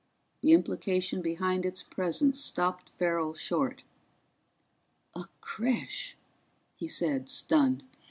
The implication behind its presence stopped Farrell short. "A creche," he said, stunned.